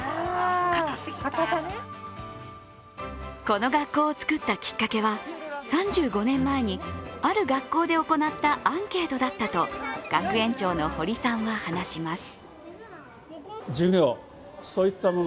この学校をつくったきっかけは３５年前にある学校で行ったアンケートだったと学園長の堀さんは話します。